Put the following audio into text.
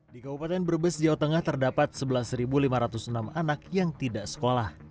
di kabupaten brebes jawa tengah terdapat sebelas lima ratus enam anak yang tidak sekolah